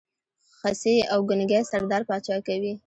خصي او ګونګی سردار پاچا کوي.